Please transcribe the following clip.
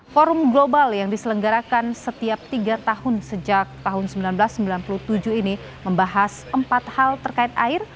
forum global yang diselenggarakan setiap tiga tahun sejak tahun seribu sembilan ratus sembilan puluh tujuh ini membahas empat hal terkait air